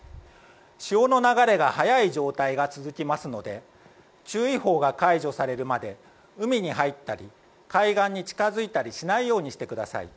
潮の流れが速い状態が続きますので注意報が解除されるまで海に入ったり海岸に近付いたりしないようにしてください。